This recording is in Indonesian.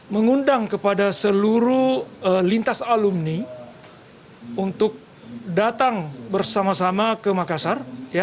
mengundang kepada seluruh lintas alumni untuk datang bersama sama ke makassar